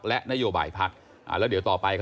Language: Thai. และโดยบ่ายพรรค